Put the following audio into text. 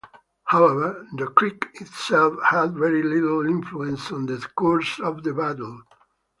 However, the creek itself had very little influence on the course of the battle.